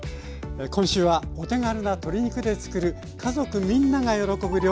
今週はお手軽な鶏肉でつくる家族みんなが喜ぶ料理。